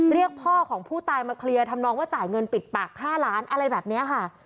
เรียกพ่อของผู้ตายมาเคลียร์ทำนองว่าจ่ายเงินปิดปากฆ่าล้านอะไรแบบนี้ค่ะ